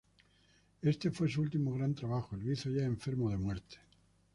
Este fue su último gran trabajo y lo hizo ya enfermo de muerte.